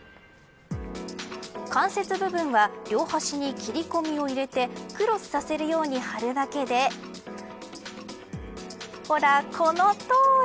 関節部分は両端に切り込みを入れてクロスさせるように貼るだけでほらこの通り。